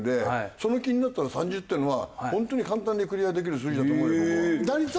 その気になったら３０っていうのは本当に簡単にクリアできる数字だと思うよ僕は。